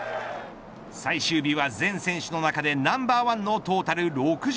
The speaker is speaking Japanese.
最終日は全選手の中でナンバーワンのトータル６５。